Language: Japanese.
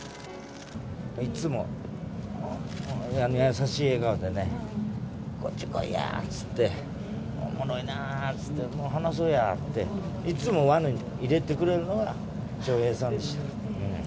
いつもあの優しい笑顔でね、こっち来いやっつって、おもろいな、話そうやって言って、いつも輪に入れてくれるのは笑瓶さんでしたね。